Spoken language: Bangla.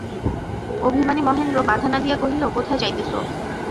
অভিমানী মহেন্দ্র বাধা না দিয়া কহিল, কোথায় যাইতেছ।